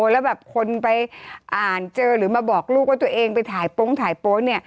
แล้วแบบคนไปอ่านเจอหรือมาบอกลูกว่าตัวเองไปถ่ายโป๊งถ่ายโป๊งเนี่ย